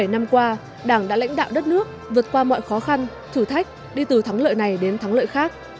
bảy mươi năm qua đảng đã lãnh đạo đất nước vượt qua mọi khó khăn thử thách đi từ thắng lợi này đến thắng lợi khác